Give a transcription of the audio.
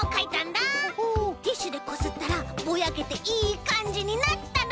ティッシュでこすったらボヤけていいかんじになったの。